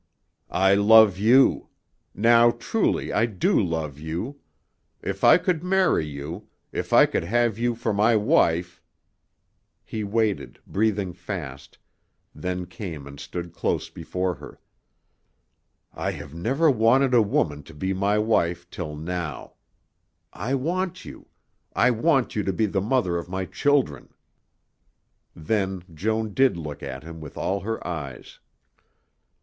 "I love you. Now truly I do love you. If I could marry you if I could have you for my wife " He waited, breathing fast, then came and stood close before her. "I have never wanted a woman to be my wife till now. I want you. I want you to be the mother of my children." Then Joan did look at him with all her eyes.